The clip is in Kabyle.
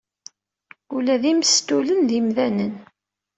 Ula d imestulen d imdanen.